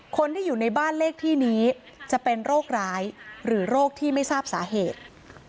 คนที่อยู่ในบ้านเลขที่นี้จะเป็นโรคร้ายหรือโรคที่ไม่ทราบสาเหตุ